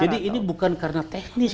jadi ini bukan karena teknis